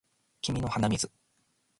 君の鼻水